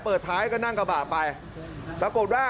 เปิดท้ายก็นั่งกระบะไปปรากฏว่า